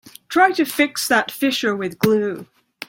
Try to fix that fissure with glue.